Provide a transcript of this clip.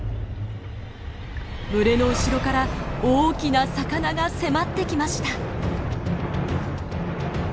群れの後ろから大きな魚が迫ってきました！